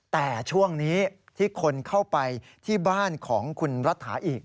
แต่ช่วงนี้ที่คนเข้าไปที่บ้านของคุณรัฐาอีก